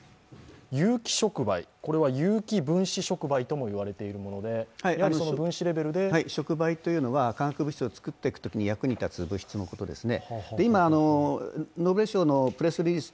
有機触媒、有機分子触媒とも呼ばれているもので触媒というのは化学物質を作っていくときに役に立つ物質ですね。